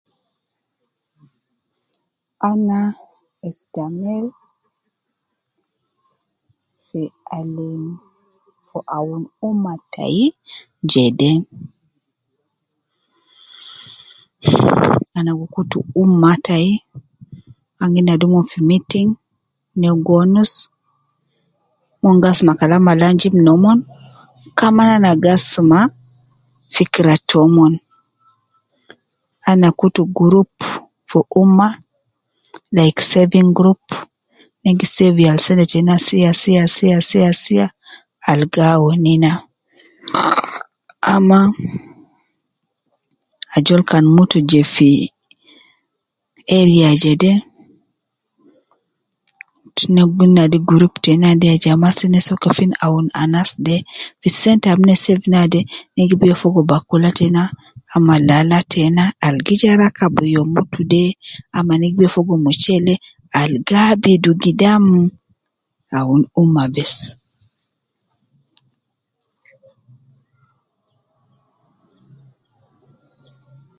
Ana istamil fi alim fi awun umma tai jede, ana gi kutu umma tai, an gi nadi omon fi meeting ,ne gi wonus, mon gi asuma Kalam al ana jib nomon, kaman ana gi asuma fikra tomon, ana kutu group fi umma like saving group ,ne gi save yal sente tena sia sia sia sia al gi awun ina, ma, ajol kan mutu jede fi area jede, ne gi nadi group tena de ajama kena soo kefin awun anas de fi sente ab na save naade, na gi biyo fogo bakula tena ama lala tena al gi ja rakab youm mutu de, ama ne gi biyo fogo mchele al gi abidu gidam awun umma bes